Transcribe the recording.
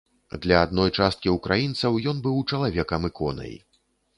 Для адной часткі ўкраінцаў ён быў чалавекам-іконай.